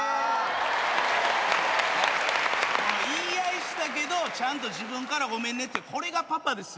言い合いしたけどちゃんと自分からごめんねってこれがパパですよね。